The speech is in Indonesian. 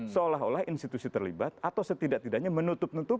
seolah olah institusi terlibat atau setidak tidaknya menutupkan institusi